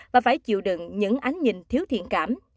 và phải chịu đựng những án nhìn thiếu thiện cảm